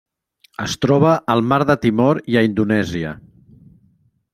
Es troba al Mar de Timor i a Indonèsia.